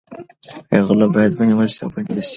غله باید ونیول شي او بندي شي.